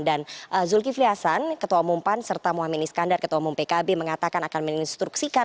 dan zulkifli hasan ketua umum pan serta muhamad iskandar ketua umum pkb mengatakan akan meninstruksikan